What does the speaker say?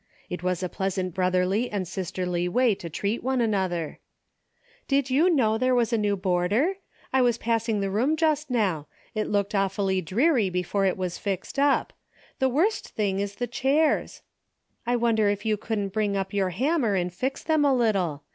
It was a pleasant brotherly and sisterly way to treat one another), " did you know there was a new boarder ? I was passing the room just now. It looked awfully dreary be fore it was fixed up. The worst thing is the chairs. I wonder if you couldn't bring up your hammer and fix them a little.